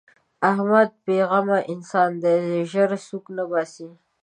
احمد بې زغمه انسان دی؛ ژر سوک تر باسي.